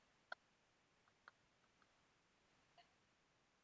dhidi ya waathirika wa ugonjwa wa ukimwi